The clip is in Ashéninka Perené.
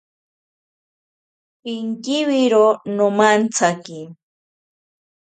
Pinkiwiro nomantsaki.